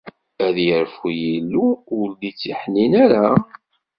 Ad yerfu Yillu, ur d-ittiḥnin ara?